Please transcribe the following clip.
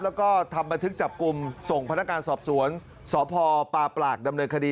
แล้วก็ทำบันทึกจับกลุ่มส่งพนักงานสอบสวนสพปลากดำเนินคดี